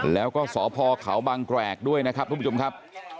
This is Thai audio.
แล้วก็สพเขาบางแกรกด้วยนะครับทุกผู้ชมครับ